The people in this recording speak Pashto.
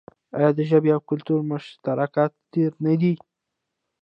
آیا د ژبې او کلتور مشترکات ډیر نه دي؟